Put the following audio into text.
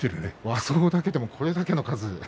和装だけでもこれだけの数。